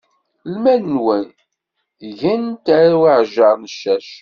Lmal-nwen gint at uɛjar n ccac.